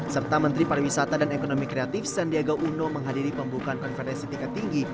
serta menteri pariwisata dan ekonomi kreatif sandiaga uno menghadiri pembukaan konferensi tingkat tinggi